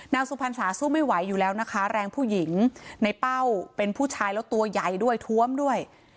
สุพรรษาสู้ไม่ไหวอยู่แล้วนะคะแรงผู้หญิงในเป้าเป็นผู้ชายแล้วตัวใหญ่ด้วยท้วมด้วย